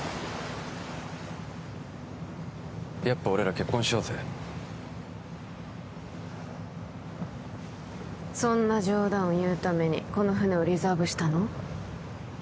やっぱ俺ら結婚しようぜそんな冗談を言うためにこの船をリザーブしたの？